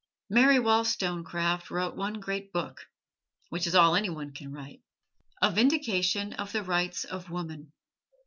Mary Wollstonecraft wrote one great book (which is all any one can write): "A Vindication of the Rights of Woman."